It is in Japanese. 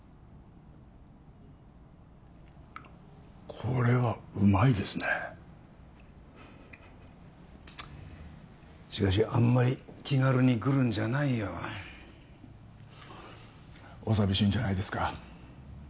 これはうまいですねしかしあんまり気軽に来るんじゃないよお寂しいんじゃないですか？